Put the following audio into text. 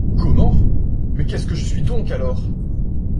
Comment ! mais qu’est-ce que je suis donc alors ?